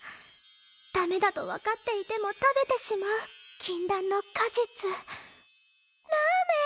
ダメだとわかっていても食べてしまう禁断の果実ラーメン！